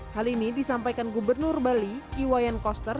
hal ini disampaikan gubernur bali iwayan koster